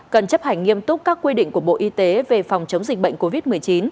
cần chấp hành nghiêm túc các quy định của bộ y tế về phòng chống dịch bệnh covid một mươi chín